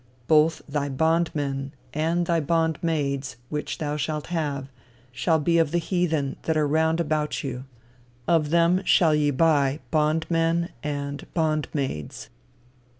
Both thy bond men, and thy bond maids, which thou shalt have, shall be of the heathen that are round about you; of them shall ye buy bond men, and bond maids."